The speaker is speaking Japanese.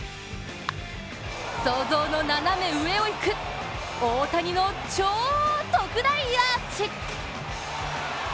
想像の斜め上をいく大谷の超特大アーチ。